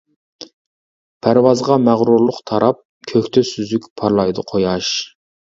پەرۋازىغا مەغرۇرلۇق تاراپ، كۆكتە سۈزۈك پارلايدۇ قۇياش.